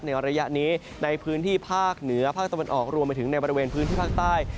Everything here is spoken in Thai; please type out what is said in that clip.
ในระยะนี้ในพื้นที่ภาคเหนือภาคตะวันออกรวมไปถึงในบริเวณพื้นที่ภาคใต้